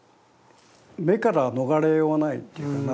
目から逃れようがないっていうかな